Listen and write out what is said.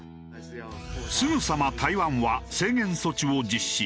すぐさま台湾は制限措置を実施。